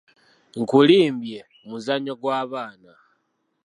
Nkulimbye muzannyo gw’abaana.